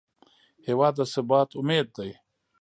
هېواد د ثبات امید دی.